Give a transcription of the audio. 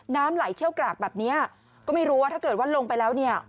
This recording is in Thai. น้ำไหลเชี่ยวกรากแบบนี้ก็ไม่รู้ว่าถ้าเกิดว่าลงไปแล้วเนี่ย